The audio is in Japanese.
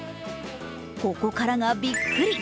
ここからがビックリ。